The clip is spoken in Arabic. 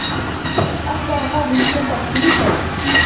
أخبر فاضل الشّرطة بكلّ شيء.